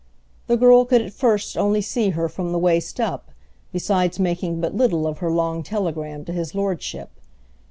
The girl could at first only see her from the waist up, besides making but little of her long telegram to his lordship.